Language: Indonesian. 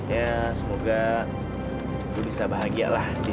ya semoga ibu bisa bahagia lah